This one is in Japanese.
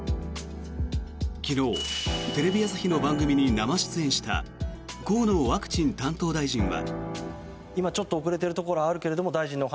昨日、テレビ朝日の番組に生出演した河野ワクチン担当大臣は。